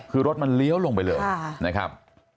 คือรถมันเลี้ยวลงไปเลยนะครับ